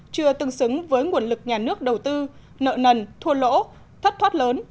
chưa tương xứng với nguồn lực nhà nước đầu tư nợ nần thua lỗ thất thoát lớn